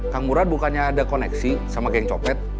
kang murad bukannya ada koneksi sama geng copet